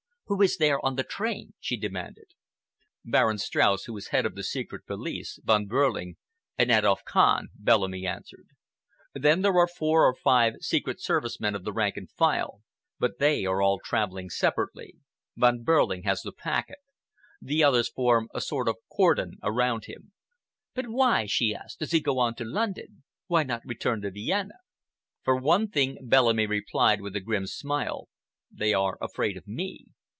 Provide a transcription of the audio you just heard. "Who is there on the train?" she demanded. "Baron Streuss, who is head of the Secret Police, Von Behrling and Adolf Kahn," Bellamy answered. "Then there are four or five Secret Service men of the rank and file, but they are all traveling separately. Von Behrling has the packet. The others form a sort of cordon around him." "But why," she asked, "does he go on to London? Why not return to Vienna?" "For one thing," Bellamy replied, with a grim smile, "they are afraid of me.